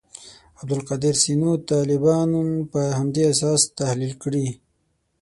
عبدالقادر سینو طالبان پر همدې اساس تحلیل کړي.